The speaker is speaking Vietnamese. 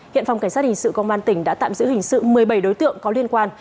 hiện phòng cảnh sát hình sự công an tỉnh đã tạm giữ hình sự một mươi bảy đối tượng có liên quan